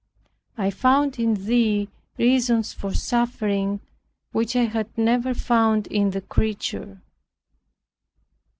I found in Thee reasons for suffering, which I had never found in the creature.